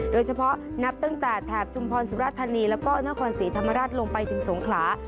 โดยเฉพาะนับตั้งแต่แถบจุมพลสุรรัฐณีย์แล้วก็นครศรีธรรมรัฐลงไปถึงสงขลา